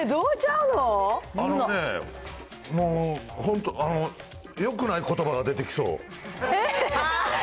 あのね、もう本当、よくないことばが出てきそう。